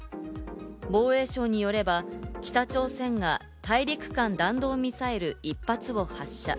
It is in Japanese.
防衛省によれば、北朝鮮が大陸間弾道ミサイル１発を発射。